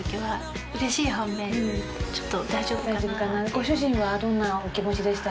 ご主人はどんなお気持ちでした？